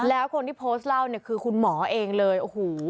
แล้วคนที่โพสต์เล่าเนี่ยคือคุณหมอเองเลยโอ้โห